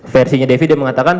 versinya devi dia mengatakan